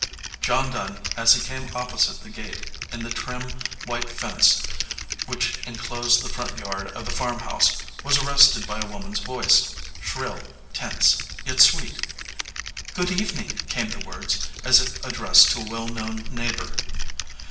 John Dunn, as he came opposite the gate in the trim white fence which inclosed the front yard of the farm house, was arrested by a woman s voice, shrill, tense, yet sweet. "Good evening," came the words, as if addressed to a well known neighbor.